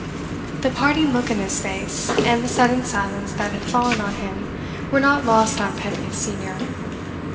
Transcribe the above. The parting look in his face, and the sudden silence that had fallen on him, were not lost on Pedgift Senior.